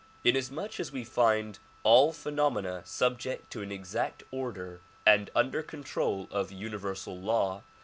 Inasmuch as we find all phenom ena subject to an exact order and under control of universal law.